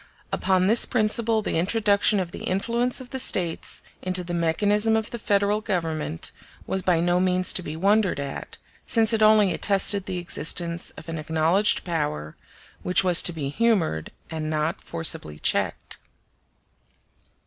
Upon this principle the introduction of the influence of the States into the mechanism of the Federal Government was by no means to be wondered at, since it only attested the existence of an acknowledged power, which was to be humored and not forcibly checked.